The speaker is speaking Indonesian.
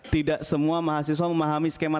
tidak semua mahasiswa memahami skema